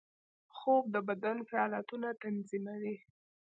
خوب د بدن فعالیتونه تنظیموي